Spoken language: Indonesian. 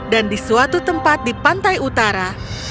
dan di suatu tempat di pantai utara